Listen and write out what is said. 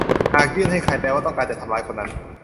หากยื่นให้ใครแปลว่าต้องการจะทำร้ายคนนั้น